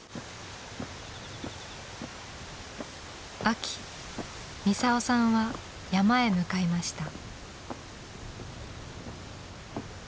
秋ミサオさんは山へ向かいました。